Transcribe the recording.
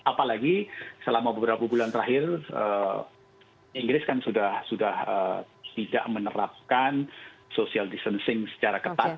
apalagi selama beberapa bulan terakhir inggris kan sudah tidak menerapkan social distancing secara ketat